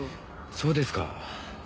そうですか。